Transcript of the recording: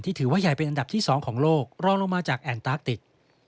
ถือว่าใหญ่เป็นอันดับที่๒ของโลกรองลงมาจากแอนตาร์คติก